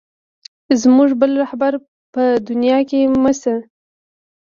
زموږ بل رهبر په دنیا کې مه شې.